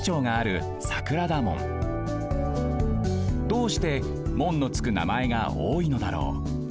どうして「門」のつくなまえがおおいのだろう。